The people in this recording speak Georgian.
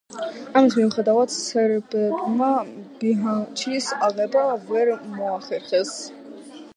ამის მიუხედავად სერბებმა ბიჰაჩის აღება ვერ მოახერხეს.